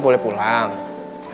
apakah ini cinta